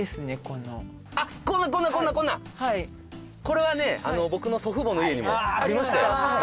これはねえ僕の祖父母の家にもありましたよ